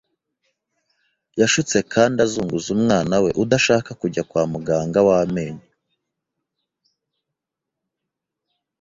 Yashutse kandi azunguza umwana we udashaka kujya kwa muganga w’amenyo.